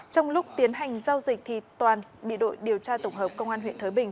trong lúc tiến hành giao dịch toàn bị đội điều tra tổng hợp công an huyện thới bình